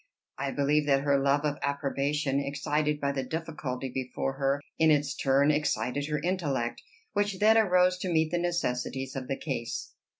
I believe that her love of approbation, excited by the difficulty before her, in its turn excited her intellect, which then arose to meet the necessities of the case.